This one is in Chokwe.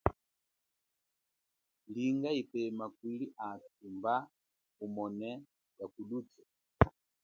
Linga ipema kuli athu mba umone yakuluthwe.